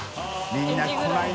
みんな来ない。